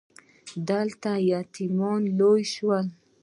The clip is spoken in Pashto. دلته يتيم را لوی شو.